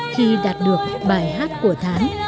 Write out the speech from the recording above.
khi đạt được bài hát của tháng